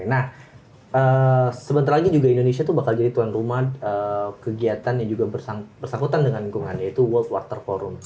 nah sebentar lagi juga indonesia tuh bakal jadi tuan rumah kegiatan yang juga bersangkutan dengan lingkungan yaitu world water forum